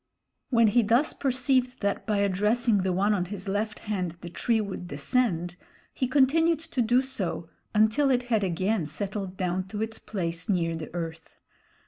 When he thus perceived that by addressing the one on his left hand the tree would descend, he continued to do so until it had again settled down to its place near the earth.